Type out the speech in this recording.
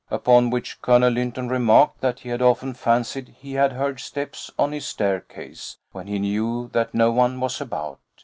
Upon which Colonel Lynton remarked that he had often fancied he had heard steps on his staircase, when he knew that no one was about.